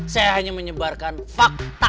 saya hanya menyebarkan fakta